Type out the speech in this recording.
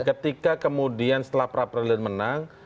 ketika kemudian setelah pra peradilan menang